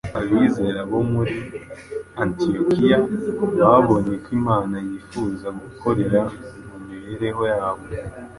Abizera bo muri Antiyokiya babonye ko Imana yifuza gukorera mu mibereho yabo